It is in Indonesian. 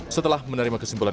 setelah menerima kesimpulan